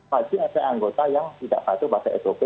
masih ada anggota yang tidak patuh pada sop